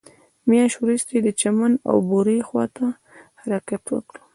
مياشت وروسته يې د چمن او بوري خواته حرکت وکړ.